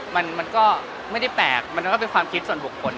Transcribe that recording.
มันก็ไม่ได้แปลกมันก็เป็นความคิดส่วนบุคคล